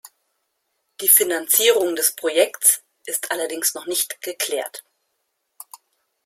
Die Finanzierung des Projekts ist allerdings noch nicht geklärt.